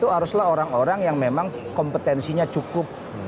haruslah orang orang yang memang kompetensinya cukup